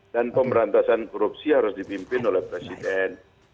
dan pemberantasan korupsi harus dipimpin oleh presiden